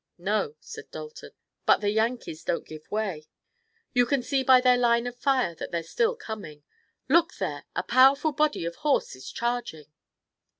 "No," said Dalton, "but the Yankees don't give way. You can see by their line of fire that they're still coming. Look there! A powerful body of horse is charging!"